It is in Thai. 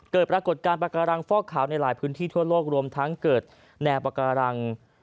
เกิดปรากฏการณ์ปากการังฟอกขาวในหลายพื้นที่ทั่วโลกรวมทั้งเกิดแนวปาการัง